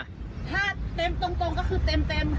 ถ้าเต็มตรงก็คือเต็ม